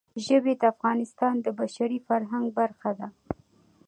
ژبې د افغانستان د بشري فرهنګ برخه ده.